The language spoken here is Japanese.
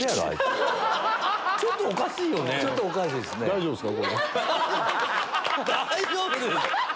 大丈夫です。